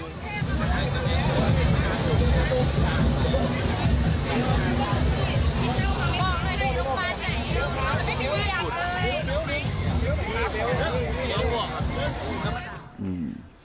ให้ลูกบ้านข้ามิใหม่อยู่ครับรู้กันไหมที่อาจเลย